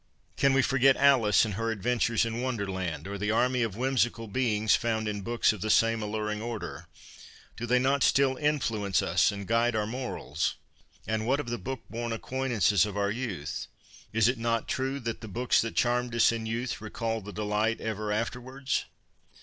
Can we forget Alice and her adventures in Wonderland, or the army of whimsical beings found in books of the same alluring order ? Do they not still influence us and guide our morals ? And what of the book born acquaintances of our youth ? Is it not true that ' the books that charmed us in youth recall the delight ever afterwards